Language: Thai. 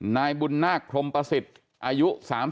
นายบุญนาคพรมประสิทธิ์อายุ๓๓